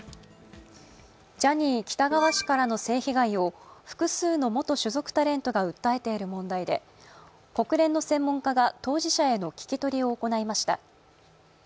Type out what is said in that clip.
ジャニー喜多川氏からの性被害を複数の元所属タレントが訴えている問題で国連の専門家が当事者への聞き取りを行いました。